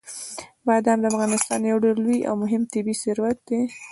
بادام د افغانستان یو ډېر لوی او مهم طبعي ثروت دی.